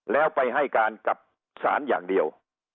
แล้วไปให้การกับศาลอย่างเดียว